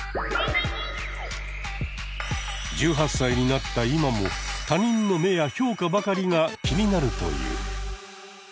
１８歳になった今も他人の目や評価ばかりが気になるという。